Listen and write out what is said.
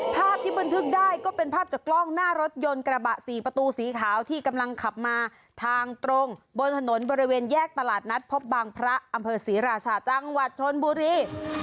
ภาพที่บันทึกได้ก็เป็นภาพจากกล้องหน้ารถยนต์กระบะสี่ประตูสีขาวที่กำลังขับมาทางตรงบนถนนบริเวณแยกตลาดนัดพบบางพระอำเภอศรีราชาจังหวัดชนบุรี